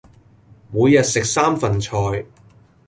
每日食三份菜